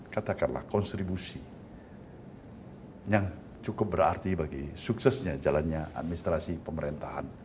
katakanlah kontribusi yang cukup berarti bagi suksesnya jalannya administrasi pemerintahan